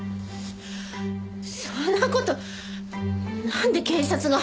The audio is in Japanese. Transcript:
そんな事なんで警察が。